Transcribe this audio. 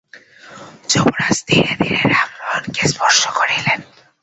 যুবরাজ, ধীরে ধীরে রামমোহনকে স্পর্শ করিলেন।